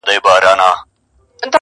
چې په تجارت کې مصروف دي